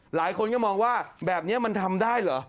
หลายคนก็มองว่าแบบนี้มันทำได้เหรอ